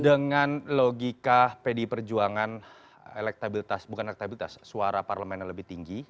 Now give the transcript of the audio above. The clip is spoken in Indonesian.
dengan logika pedi perjuangan elektabilitas bukan elektabilitas suara parlemennya lebih tinggi